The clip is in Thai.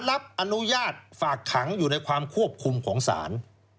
รับอนุญาตฝากขังอยู่ในความควบคุมของศาล